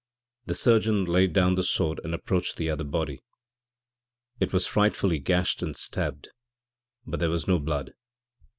The surgeon laid down the sword and approached the other body. It was frightfully gashed and stabbed, but there was no blood.